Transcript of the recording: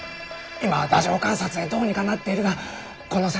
今は太政官札でどうにかなっているがこの先。